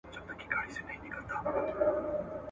انلاين غونډې همکاري اسانه کوي.